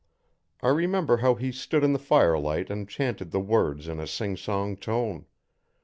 I remember how he stood in the firelight and chanted the words in a sing song tone.